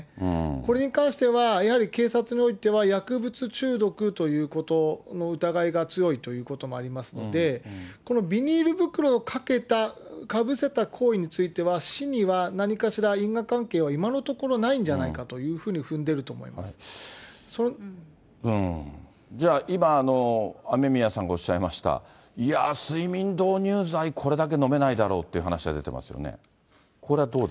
これに関しては、やはり警察においては薬物中毒ということの疑いが強いということもありますので、このビニール袋をかけた、かぶせた行為については、死には何かしら因果関係は今のところないんじゃないかというふうじゃあ今、雨宮さんがおっしゃいました、いやー、睡眠導入剤、これだけ飲めないだろうって話が出てますよね。